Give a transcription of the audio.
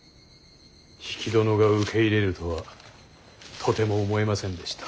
比企殿が受け入れるとはとても思えませんでした。